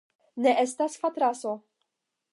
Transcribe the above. Ne estas fatraso.